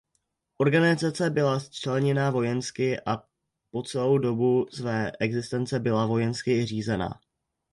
Organizace byla členěna vojensky a po celou dobu své existence byla vojensky i řízena.